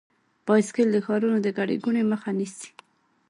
بایسکل د ښارونو د ګڼې ګوڼې مخه نیسي.